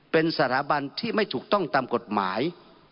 เป็นสถาบันที่ไม่ถูกต้องตามกฎหมาย